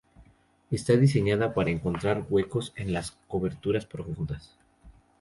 Está diseñada para encontrar huecos en las coberturas profundas.